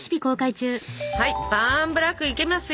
はいバーンブラックいきますよ。